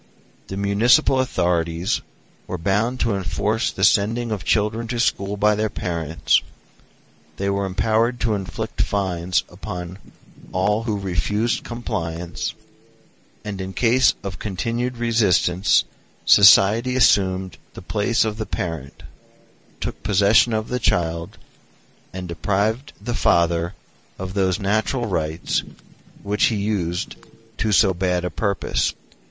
The municipal authorities were bound to enforce the sending of children to school by their parents; they were empowered to inflict fines upon all who refused compliance; and in case of continued resistance society assumed the place of the parent, took possession of the child, and deprived the father of those natural rights which he used to so bad a purpose.